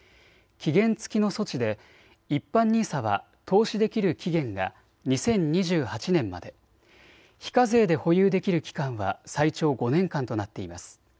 期限付きの措置で一般ＮＩＳＡは投資できる期限が２０２８年まで、非課税で保有できる期間は最長５年間となっています。